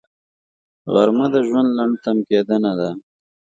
غرمه د ژوند لنډ تم کېدنه ده